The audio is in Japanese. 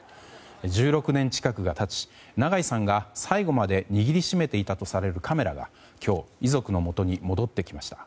１６年近くが経ち長井さんが最後まで握りしめていたとされるカメラが今日、遺族のもとに戻ってきました。